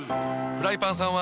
フライパンさんは。